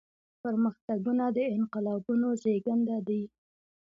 پرمختګونه د انقلابونو زيږنده دي.